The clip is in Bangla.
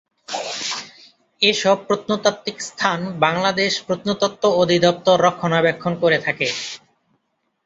এসব প্রত্নতাত্ত্বিক স্থান বাংলাদেশ প্রত্নতত্ত্ব অধিদপ্তর রক্ষণাবেক্ষণ করে থাকে।